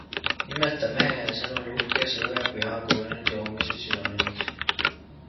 Nimelt on mehe sõnul uhke suvepüha kujunenud joomise sünonüümiks.